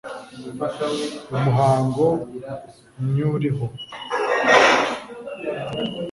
Umuhango mywuriho.